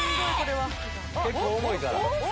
結構重いから。